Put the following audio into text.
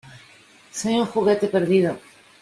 ¡ Soy un juguete perdido!